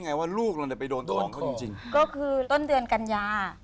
ไม่มาหากันค่ะ